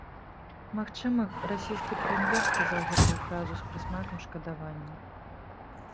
Магчыма, расійскі прэм'ер сказаў гэтую фразу з прысмакам шкадавання.